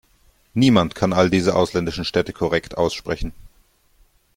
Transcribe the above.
Niemand kann all diese ausländischen Städte korrekt aussprechen.